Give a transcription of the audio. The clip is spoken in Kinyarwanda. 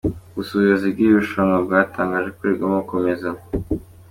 Gusa ubuyobozi bw’iri rushanwa bwatangaje ko rigomba gukomeza.